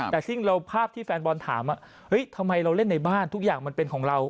แต่ซึ่งภาพที่แฟนบอลถามเฮ้ยทำไมเราเล่นในบ้านทุกอย่างมันเป็นของเรา